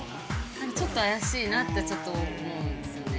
ちょっと怪しいなってちょっと思うんですよね。